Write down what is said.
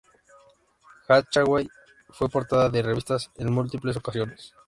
Hathaway fue portada de revistas en múltiples ocasiones.